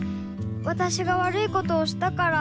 わたしがわるいことをしたから。